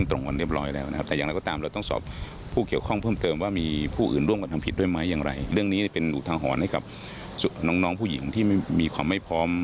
เรื่องนี้เป็นอุทางหรอต้นให้กับน้องผู้หญิงที่มีความไม่พร้อม